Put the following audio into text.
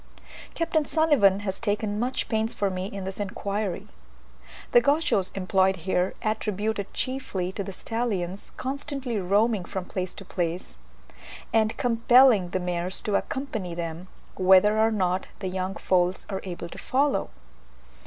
Capt. Sulivan has taken much pains for me in this inquiry. The Gauchos employed here attribute it chiefly to the stallions constantly roaming from place to place, and compelling the mares to accompany them, whether or not the young foals are able to follow.